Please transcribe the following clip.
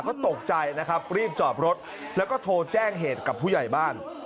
ก็ตกใจนะครับรีบจอดรถแล้วก็โทรแจ้งเหตุกับผู้ใหญ่บ้าน